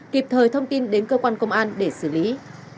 kịp thời thông tin đến cơ quan công an để xử lý